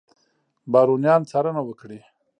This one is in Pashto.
بارونیان څارنه وکړي.